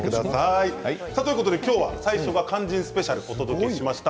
今日は最初は肝心スペシャルお届けしました。